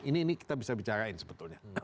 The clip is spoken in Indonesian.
ini kita bisa bicarain sebetulnya